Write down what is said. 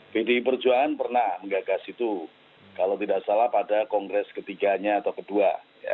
pdi perjuangan pernah menggagas itu kalau tidak salah pada kongres ketiganya atau kedua